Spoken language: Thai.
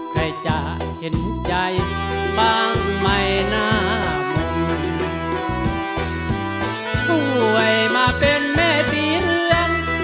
ใครจะเห็นใจบ้างไหมหน้าหมดช่วยมาเป็นแม่ตีเรือน